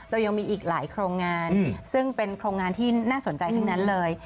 เรายังมีอีกหลายโครงการซึ่งเป็นโครงงานที่น่าสนใจทั้งนั้นเลย